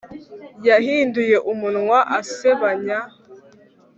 Yahinduye umunwa asebanya